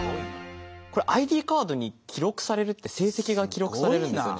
これＩＤカードに記録されるって成績が記録されるんですよね？